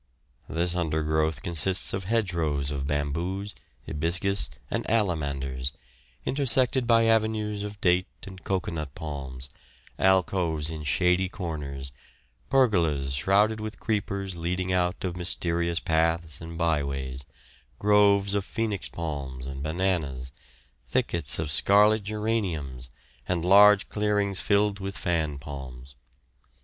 This undergrowth consists of hedgerows of bamboos, hibiscus, and alamanders, intersected by avenues of date and cocoanut palms, alcoves in shady corners, pergolas shrouded with creepers leading out of mysterious paths and by ways, groves of phoenix palms and bananas, thickets of scarlet geraniums, and large clearings filled with fan palms.